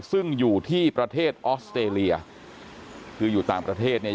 ซึ่งอยู่ที่ประเทศออสเตรเลียคืออยู่ต่างประเทศเนี่ย